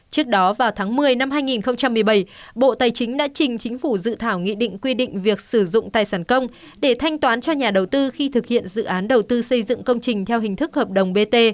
trước đó vào tháng một mươi năm hai nghìn một mươi bảy bộ tài chính đã trình chính phủ dự thảo nghị định quy định việc sử dụng tài sản công để thanh toán cho nhà đầu tư khi thực hiện dự án đầu tư xây dựng công trình theo hình thức hợp đồng bt